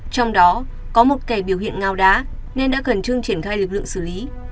trong đó có một kẻ biểu hiện ngao đá nên đã gần chương triển khai lực lượng xử lý